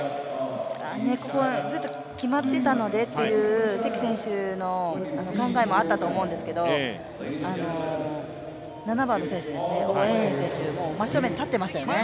ここはずっと決まっていたのでという関選手の考えもあったと思うんですけど、７番のオウ・エンエン選手、もう真正面に立っていましたよね。